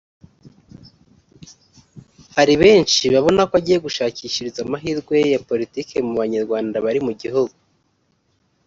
Hari benshi babona ko agiye gushakishiriza amahirwe ye ya politiki mu banyarwanda bari mu gihugu